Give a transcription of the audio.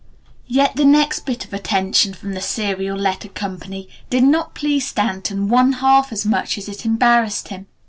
Yet the next bit of attention from the Serial Letter Co. did not please Stanton one half as much as it embarrassed him.